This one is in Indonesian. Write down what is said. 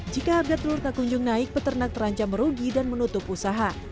jika harga telur tak kunjung naik peternak terancam merugi dan menutup usaha